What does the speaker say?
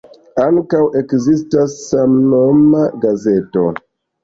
Ankaŭ ekzistas samnoma gazeto.